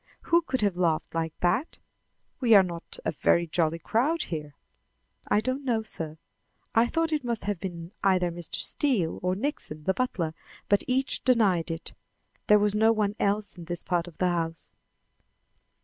"Who could have laughed like that? We are not a very jolly crowd here." "I don't know, sir. I thought it must have been either Mr. Steele or Nixon, the butler, but each denied it. There was no one else in this part of the house."